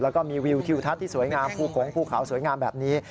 แล้วก็มีวิวทิวทัศน์ที่สวยงามภูกงภูเขาสวยงามแบบนี้